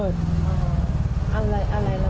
ใช่